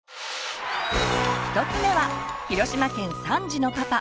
１つ目は広島県３児のパパ